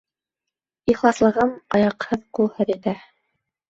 Ихласлығым Аяҡһыҙ-ҡулһыҙ итә.